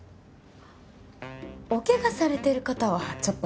おけがされてる方はちょっと。